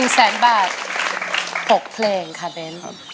แสนบาท๖เพลงค่ะเบ้น